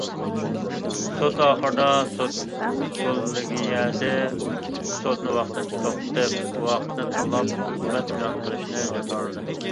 سوت ئاخىرىدا، سوت كوللېگىيەسى، سوتنى ۋاقتىنچە توختىتىپ، ۋاقىتنى تاللاپ ھۆكۈم ئېلان قىلىشنى جاكارلىدى.